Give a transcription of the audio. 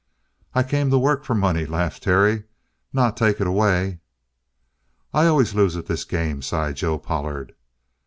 "I came to work for money," laughed Terry, "not take it away." "I always lose at this game," sighed Joe Pollard.